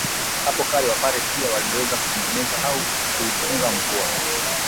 Hapo kale Wapare pia waliweza kutengeneza au kuifunga mvua